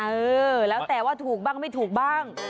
เออแล้วแต่ว่าถูกบ้างไม่ถูกบ้าง